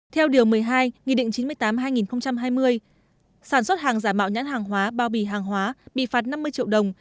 theo điều một mươi hai nghị định chín mươi tám hai nghìn hai mươi sản xuất hàng giả mạo nhãn hàng hóa bao bì hàng hóa bị phạt năm mươi triệu đồng